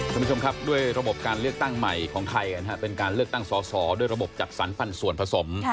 คุณผู้ชมครับด้วยระบบการเลือกตั้งใหม่ของไทยเป็นการเลือกตั้งสอสอด้วยระบบจัดสรรปันส่วนผสม